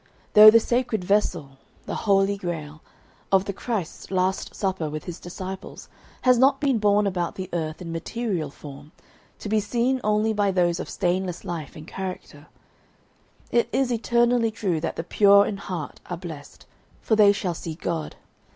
Though the sacred vessel the Holy Grail of the Christ's last supper with His disciples has not been borne about the earth in material form, to be seen only by those of stainless life and character, it is eternally true that the "pure in heart" are "blessed," "for they shall see God."